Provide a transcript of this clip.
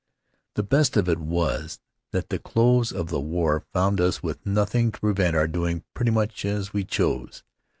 The best of it was that the close of the war found us with nothing to prevent our doing pretty much as we chose.